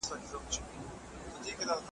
ځنګل د زمرو څخه خالي نه وي .